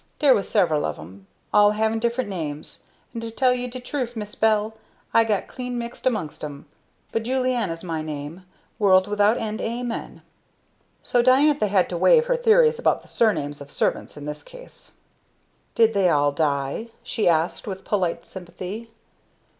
"Dere was several of 'em, all havin' different names, and to tell you de truf Mis' Bell, I got clean mixed amongst 'em. But Julianna's my name world without end amen." So Diantha had to waive her theories about the surnames of servants in this case. "Did they all die?" she asked with polite sympathy.